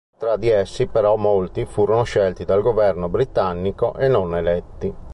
Tra di essi, però, molti furono scelti dal governo britannico e non eletti.